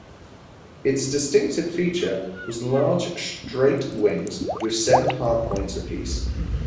Its distinctive feature was large straight wings with seven hard points apiece.